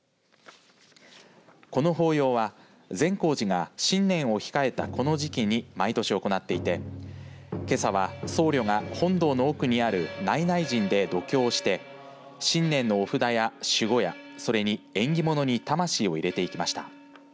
この法要は善光寺が新年を控えたこの時期に毎年行っていてけさは僧侶が本堂の奥にある内々陣で読経をして新年のお札や守護矢それに縁起物に魂を入れていきました。